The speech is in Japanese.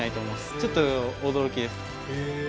ちょっと、驚きです。